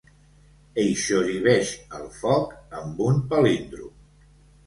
Eixoriveix el foc amb un palíndrom.